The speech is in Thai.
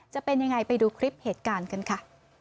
จะเป็นยังไงไปดูคลิปเหตุการณ์กันค่ะ